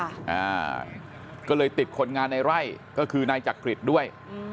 อ่าก็เลยติดคนงานในไร่ก็คือนายจักริตด้วยอืม